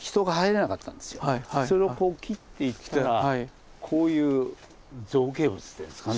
それをこう切っていったらこういう造形物っていうんですかね。